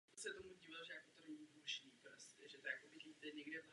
Kamera nezabírala mě, nýbrž generála Morillona a poté pana Grosche.